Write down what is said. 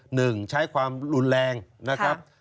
หนึ่งใช้ความรุนแรงนะครับ